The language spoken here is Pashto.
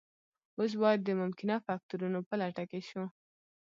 اوس باید د ممکنه فکتورونو په لټه کې شو